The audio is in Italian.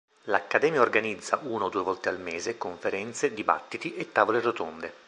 L'Accademia organizza, una o due volte al mese, conferenze, dibattiti e tavole rotonde.